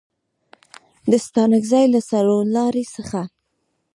د ستانکزي له څلورلارې څخه